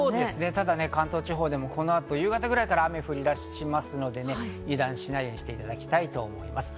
ただ関東地方でもこの後、夕方くらいから雨が降り出しますので、油断しないようにしていただきたいと思います。